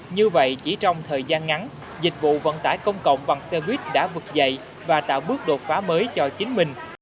như vậy chỉ trong thời gian ngắn dịch vụ vận tải công cộng bằng xe buýt đã vực dậy và tạo bước đột phá mới cho chính mình